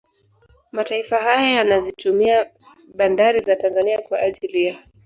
Mataifa haya yanazitumia bandari za Tanzania kwa ajili ya